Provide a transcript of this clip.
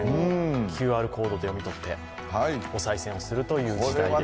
ＱＲコードで読み取っておさい銭をするという時代です。